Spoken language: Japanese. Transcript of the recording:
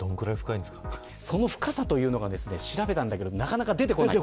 その深さというのが調べたけどなかなか出てこない。